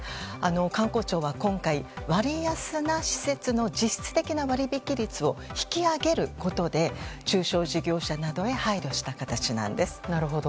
観光庁は今回割安な施設の実質的な割引率を引き上げることで中小事業者などへ配慮した形です。